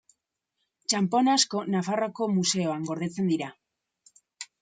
Txanpon asko Nafarroako museoan gordetzen dira.